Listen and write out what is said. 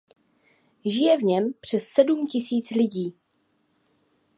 Žije v něm přes sedm tisíc lidí.